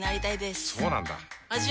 そうなんだ。